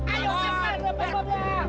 ayo teman meman bomnya